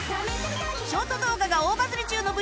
ショート動画が大バズり中の ＶＴｕｂｅｒ